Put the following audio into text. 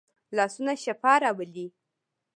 لاسونه شفا راولي